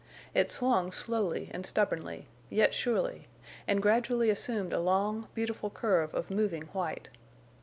It swung slowly and stubbornly, yet surely, and gradually assumed a long, beautiful curve of moving white.